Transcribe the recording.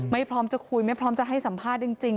พร้อมจะคุยไม่พร้อมจะให้สัมภาษณ์จริง